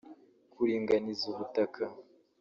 kuringaniza ubutaka